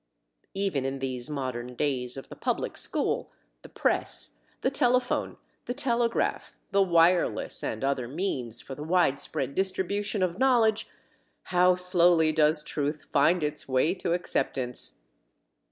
Even in these modern days of the public school, the press, the telephone, the telegraph, the wireless and other means for the wide spread distribution of knowledge, how slowly does truth find its way to acceptance!